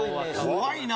怖いな！